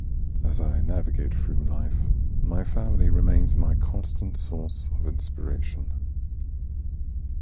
As I navigate through life, my family remains my constant source of inspiration.